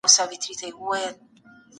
دا موضوع د استاد لخوا په ټولګي کې بیان سوه.